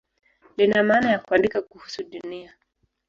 Lina maana ya "kuandika kuhusu Dunia".